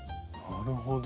なるほど。